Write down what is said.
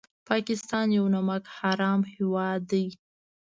پاکستان یو نمک حرام هېواد دی